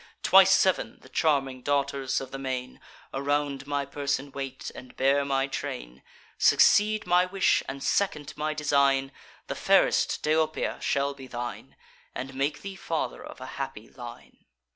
Twice sev'n, the charming daughters of the main, Around my person wait, and bear my train: Succeed my wish, and second my design; The fairest, Deiopeia, shall be thine, And make thee father of a happy line."